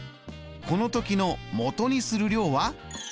この時のもとにする量は？